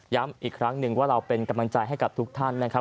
อีกครั้งหนึ่งว่าเราเป็นกำลังใจให้กับทุกท่านนะครับ